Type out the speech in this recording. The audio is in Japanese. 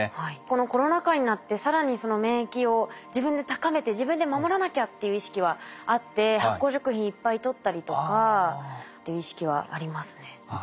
このコロナ禍になって更にその免疫を自分で高めて自分で守らなきゃっていう意識はあって発酵食品いっぱいとったりとかっていう意識はありますね。